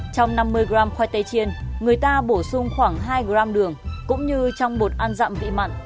trong năm mươi g khoai tây chiên người ta bổ sung khoảng hai gram đường cũng như trong bột ăn dặm vị mặn